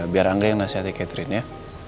biar angga yang nasihatnya catherine ya